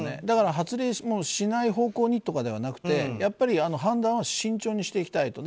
だから発令しない方向にとかではなく判断は慎重にしていきたい。